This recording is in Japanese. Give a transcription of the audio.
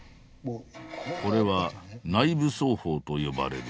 これは内部奏法と呼ばれるもの。